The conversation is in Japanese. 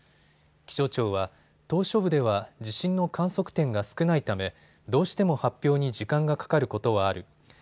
気象庁は、島しょ部では地震の観測点が少ないためどうしても発表に時間がかかることはある。